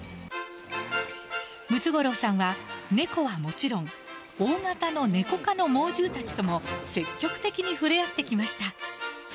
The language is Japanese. ムツゴロウさんは、猫はもちろん大型のネコ科の猛獣たちとも積極的に触れ合ってきました。